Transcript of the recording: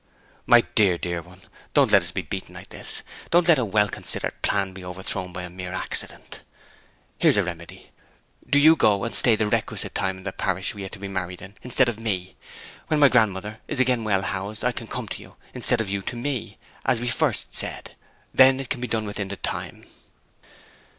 'My dear, dear one, don't let us be beaten like this! Don't let a well considered plan be overthrown by a mere accident! Here's a remedy. Do you go and stay the requisite time in the parish we are to be married in, instead of me. When my grandmother is again well housed I can come to you, instead of you to me, as we first said. Then it can be done within the time.'